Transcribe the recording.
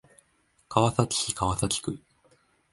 川崎市川崎区